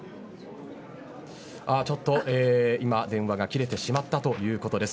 ちょっと今電話が切れてしまったということです。